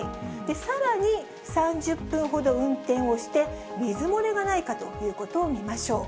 さらに３０分ほど運転をして、水漏れがないかということを見ましょう。